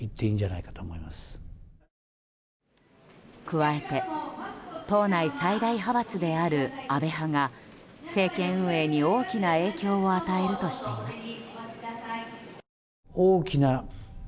加えて党内最大派閥である安倍派が政権運営に大きな影響を与えるとしています。